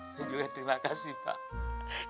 saya juga terima kasih pak